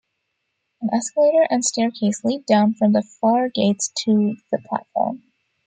An escalator and staircase lead down from the faregates to the platform.